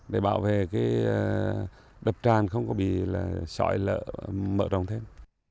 để bảo vệ đập tràn không bị xói lỡ mở rộng thêm